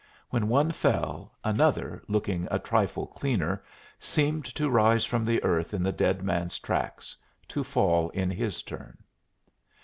When one fell, another, looking a trifle cleaner, seemed to rise from the earth in the dead man's tracks, to fall in his turn.